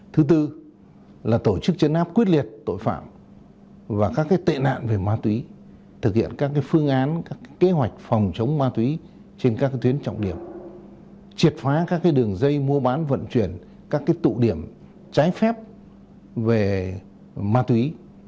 thứ tư là tổ chức chấn áp quyết liệt tội phạm và các tệ nạn về ma túy thực hiện các phương án các kế hoạch phòng chống ma túy trên các tuyến trọng điểm triệt phá các đường dây mua bán vận chuyển các tụ điểm trái phép về ma túy